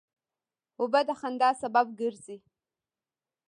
اوبه د خندا سبب ګرځي.